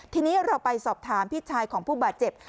ทีนี้เราไปสอบถามพี่ชายของผู้บาดเจ็บ